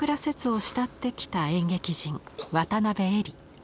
摂を慕ってきた演劇人渡辺えり。